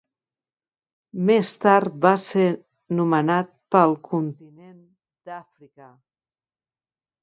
Més tard va ser nomenat pel continent d'Àfrica.